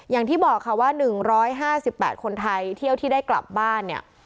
อย่างที่บอกค่ะว่า๑๕๘คนไทยเที่ยวที่ได้กลับบ้านเนี่ย